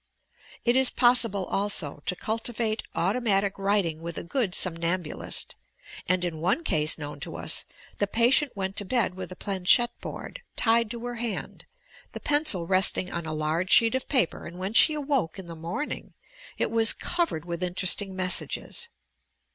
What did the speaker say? It is possible, also, to cultivate automatic writing with a good somnambulist, and, in one case known to us, the patient went to bed with a planchette board tied to her hand, the pencil resting on a large sheet of paper and when she awoke in the morning it was covered with interesting messages!